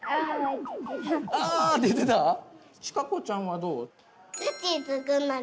ちかこちゃんはどう？